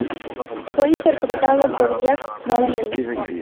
Fue interpretado por Jack Conley.